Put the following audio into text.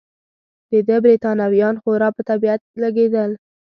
د ده بریتانویان خورا په طبیعت لګېدل.